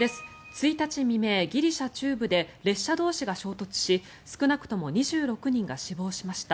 １日未明、ギリシャ中部で列車同士が衝突し少なくとも２６人が死亡しました。